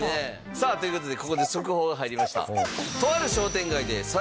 さあという事でここで速報が入りました。